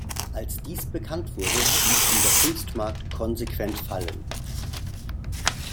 Als dies bekannt wurde, ließ ihn der Kunstmarkt konsequent fallen.